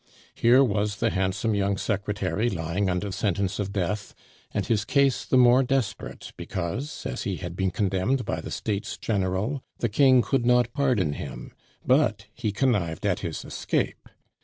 Here was the handsome young secretary lying under sentence of death, and his case the more desperate because, as he had been condemned by the States General, the King could not pardon him, but he connived at his escape.